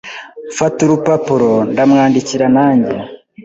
mfata urupapuro.ndamwandikira nanjye